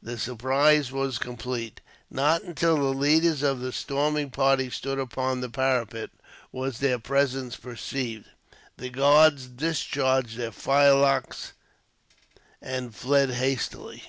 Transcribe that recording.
The surprise was complete. Not until the leaders of the storming party stood upon the parapet was their presence perceived. The guards discharged their firelocks, and fled hastily.